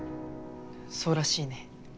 そうらしいね。